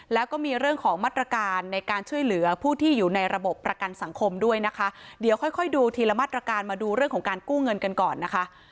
แล้วก็มีเรื่องของมาตรการในการช่วยเหลือผู้ที่อยู่ในระบบประกันสังคมด้วยนะคะเดี๋ยวค่อยค่อยดูทีละมาตรการมาดูเรื่องของการกู้เงินกันก่อนนะคะ